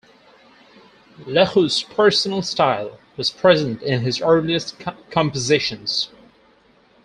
Lekeu's personal style was present in his earliest compositions.